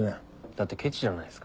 だってケチじゃないっすか。